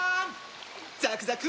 ザクザク！